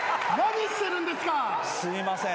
すいません